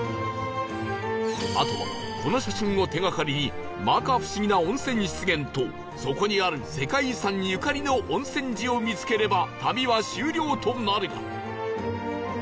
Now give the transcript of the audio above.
あとはこの写真を手がかりに摩訶不思議な温泉湿原とそこにある世界遺産ゆかりの温泉寺を見つければ旅は終了となるが